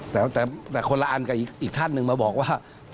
แต่คนละอันกับอีกท่านหนึ่งมาบอกว่า